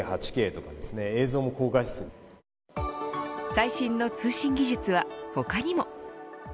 最新の通信技術は他にも。